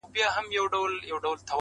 ستنيدل به په بېغمه زړه تر کوره!!